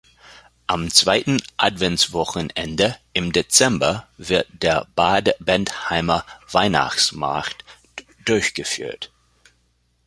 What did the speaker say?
Am zweiten Adventswochenende im Dezember wird der Bad Bentheimer Weihnachtsmarkt durchgeführt.